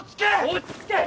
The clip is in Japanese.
落ち着け！